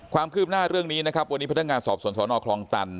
ความคืบหน้าเรื่องนี้นะครับวันนี้พนักงานสอบสวนสนคลองตัน